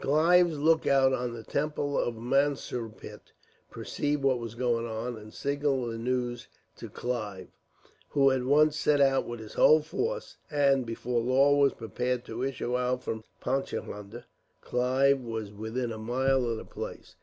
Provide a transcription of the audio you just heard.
Clive's lookout on the temple of Mansurpet perceived what was going on, and signalled the news to Clive, who at once set out with his whole force; and, before Law was prepared to issue out from Paichandah, Clive was within a mile of that place.